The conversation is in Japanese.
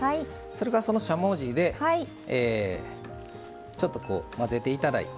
それからそのしゃもじでちょっと混ぜていただいて。